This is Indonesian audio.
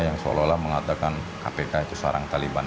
yang seolah olah mengatakan kpk itu seorang taliban